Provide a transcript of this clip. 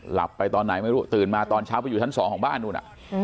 หลับไปตอนไหนไม่รู้ตื่นมาตอนเช้าไปอยู่ชั้น๒ของบ้านนู้น